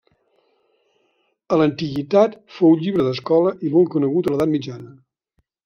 A l'antiguitat fou llibre d'escola i molt conegut a l'Edat Mitjana.